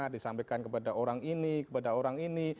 disampaikan kepada orang ini kepada orang ini